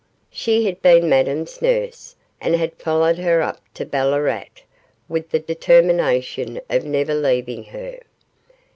She had been Madame's nurse, and had followed her up to Ballarat, with the determination of never leaving her.